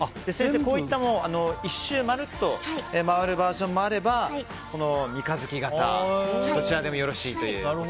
こういった１周回るバージョンもあれば三日月形、どちらでもよろしいと。